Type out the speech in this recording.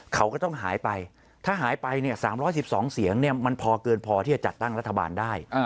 เขาก็ต้องหายไปถ้าหายไป๓๑๒เสียงมันพอเกินพอที่จะจัดตั้งรัฐบาลได้